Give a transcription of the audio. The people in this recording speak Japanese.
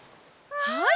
はい！